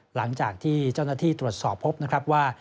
หลังจากที่เจ้าหน้าที่ตรวจสอบพบนะครับว่า